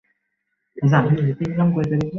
তারা অনেক আগেই চলে গেছে।